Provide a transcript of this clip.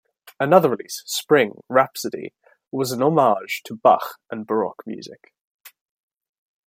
Another release, "Spring - Rhapsody", was a homage to Bach and Baroque music.